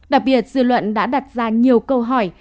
đặc biệt dư luận đã đặt ra nhiều câu hỏi